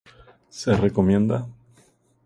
Se recomienda